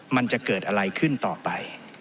มันจะเกิดอะไรขึ้นต่อไป